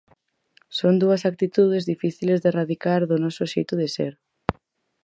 Son dúas actitudes difíciles de erradicar do noso xeito de ser.